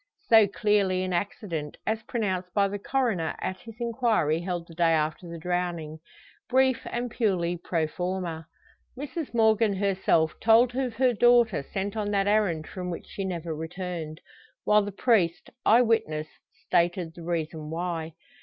So clearly an accident, as pronounced by the coroner at his inquiry held the day after the drowning brief and purely pro forma. Mrs Morgan herself told of her daughter sent on that errand from which she never returned; while the priest, eye witness, stated the reason why.